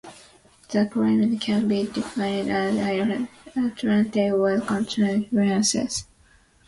The climate can be defined as inland Atlantic with continental influences.